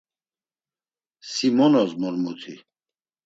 Si mo nozmor muti.